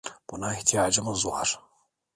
Buna ihtiyacımız var.